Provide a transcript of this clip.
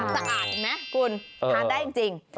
สะอาดเห็นไหมคุณทานได้จริง